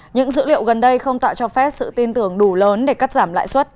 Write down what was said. những dữ liệu gần đây không tạo cho fed sự tin tưởng đủ lớn để cắt giảm lãi suất